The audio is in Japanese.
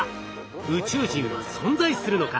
宇宙人は存在するのか？